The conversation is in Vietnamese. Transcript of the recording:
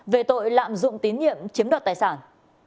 về tội lạm dụng tín nhiệm chiếm đoạt tài sản